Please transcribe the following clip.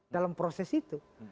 dalam proses itu